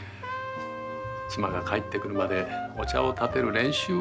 妻が帰ってくるまでお茶をたてる練習をしておきましょう。